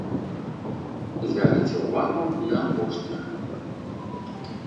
Звярніце ўвагу на апошні радок.